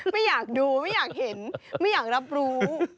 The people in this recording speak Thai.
ไม่อยากดูไม่อยากเห็นไม่อยากรับรู้